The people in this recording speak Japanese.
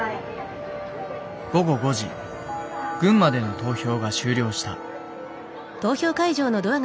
午後５時群馬での投票が終了した。